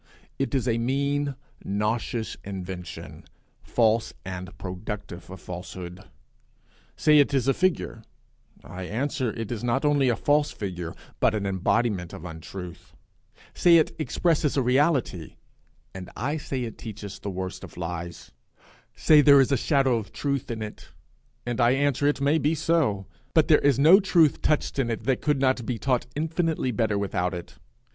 It is a mean, nauseous invention, false, and productive of falsehood. Say it is a figure, I answer it is not only a false figure but an embodiment of untruth; say it expresses a reality, and I say it teaches the worst of lies; say there is a shadow of truth in it, and I answer it may be so, but there is no truth touched in it that could not be taught infinitely better without it.